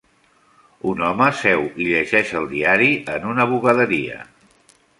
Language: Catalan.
Un home seu i llegeix el diari en una bugaderia.